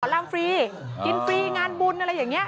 ลำฟรีกินฟรีงานบุญอะไรอย่างนี้